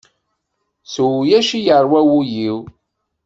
S ulac i yeṛwa wul-iw.